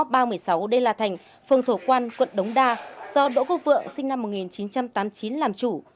ba trăm một mươi sáu đê la thành phường thổ quan quận đống đa do đỗ quốc vượng sinh năm một nghìn chín trăm tám mươi chín làm chủ